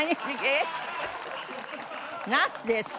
なんです？